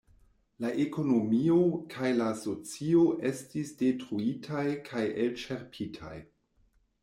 La ekonomio kaj la socio estis detruitaj kaj elĉerpitaj.